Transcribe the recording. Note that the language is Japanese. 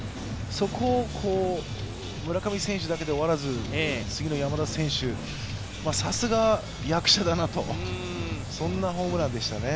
そこを村上選手だけで終わらず次の山田選手、さすがは役者だなとそんなホームランでしたね。